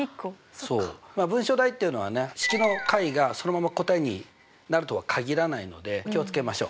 文章題っていうのはね式の解がそのまま答えになるとは限らないので気を付けましょう。